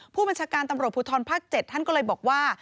ผู้บัญชาการตำรวจภูทรภาค๗ท่านก็เลยบอกว่า